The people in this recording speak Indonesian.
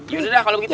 yaudah kalo gitu ya